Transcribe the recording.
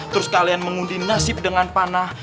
terus kalian mengundi nasib dengan panah